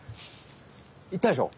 いったでしょ？